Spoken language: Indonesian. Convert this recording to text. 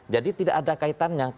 jadi tidak ada kaitannya